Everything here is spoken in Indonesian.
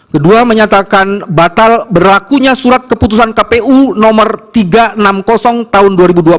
kedua menyatakan batal berlakunya surat keputusan kpu nomor tiga ratus enam puluh tahun dua ribu dua puluh